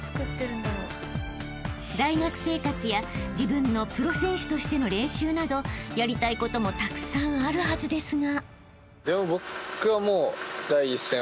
［大学生活や自分のプロ選手としての練習などやりたいこともたくさんあるはずですが］